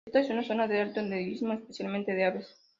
Esta es una zona de alto endemismo, especialmente de aves.